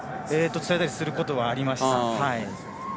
伝えたりすることはありました。